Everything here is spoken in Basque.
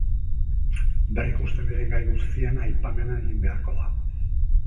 Berrikusten diren gai guztien aipamena egin beharko da.